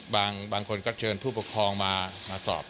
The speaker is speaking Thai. บางคนก็เชิญผู้ปกครองมาสอบ